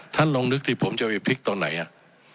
ท่านลองนึกที่ผมจะไปพลิกตอนไหนอ่ะ